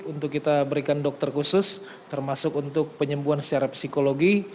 untuk kita berikan dokter khusus termasuk untuk penyembuhan secara psikologi